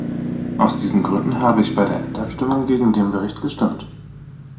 Aus diesen Gründen habe ich bei der Endabstimmung gegen den Bericht gestimmt.